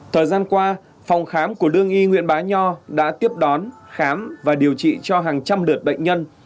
thời gian qua phòng khám của lương y nguyễn bá nho đã tiếp đón khám và điều trị cho hàng trăm lượt bệnh nhân